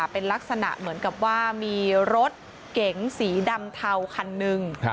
เป็นลักษณะเหมือนกับว่ามีรถเก๋งสีดำเทาคันหนึ่ง